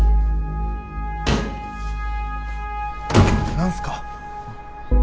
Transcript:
何すか？